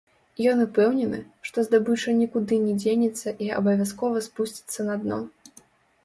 Ён упэўнены, што здабыча нікуды не дзенецца і абавязкова спусціцца на дно.